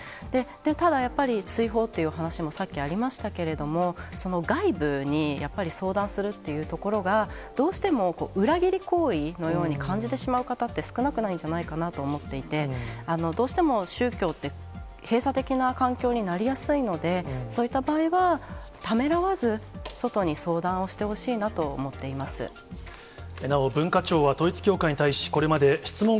ただやっぱり、追放という話もさっきありましたけれども、外部にやっぱり相談するっていうところが、どうしても裏切り行為のように感じてしまう方って、少なくないんじゃないかなと思っていて、どうしても宗教って、閉鎖的な環境になりやすいので、そういった場合はためらわず、外に相談をしてほしいなと思ってうわぁ！